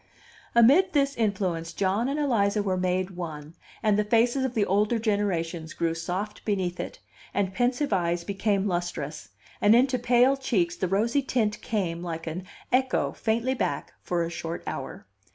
Amid this influence John and Eliza were made one, and the faces of the older generations grew soft beneath it, and pensive eyes became lustrous, and into pale cheeks the rosy tint came like an echo faintly back for a short hour.